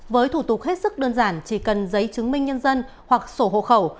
với thủ tục hết sức đơn giản chỉ cần giấy chứng minh nhân dân hoặc sổ hộ khẩu